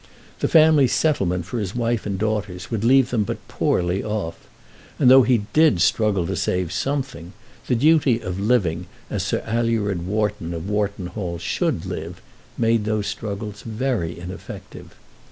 The family settlement for his wife and daughters would leave them but poorly off; and though he did struggle to save something, the duty of living as Sir Alured Wharton of Wharton Hall should live made those struggles very ineffective.